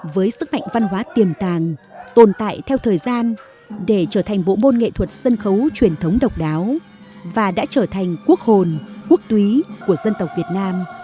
với sức mạnh văn hóa tiềm tàng tồn tại theo thời gian để trở thành bộ môn nghệ thuật sân khấu truyền thống độc đáo và đã trở thành quốc hồn quốc túy của dân tộc việt nam